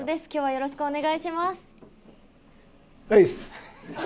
よろしくお願いします。